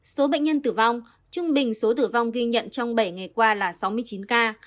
số bệnh nhân tử vong trung bình số tử vong ghi nhận trong bảy ngày qua là sáu mươi chín ca